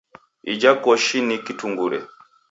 Ija koshi ni kitungure.